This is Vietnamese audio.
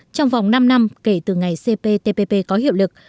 trong vòng năm năm kể từ ngày cptpp có hiệu lực